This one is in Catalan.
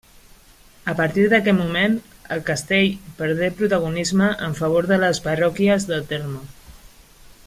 A partir d'aquest moment el castell perdé protagonisme en favor de les parròquies del terme.